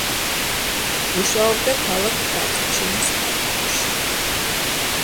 მუშაობდა ქალაქ გატჩინის ქარხნებში.